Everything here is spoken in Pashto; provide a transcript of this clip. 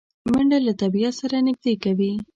منډه له طبیعت سره نږدې کوي